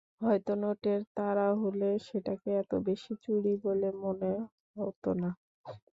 হয়তো নোটের তাড়া হলে সেটাকে এত বেশি চুরি বলে মনে হত না।